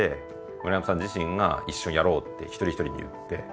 村山さん自身が一緒にやろうって一人一人に言って。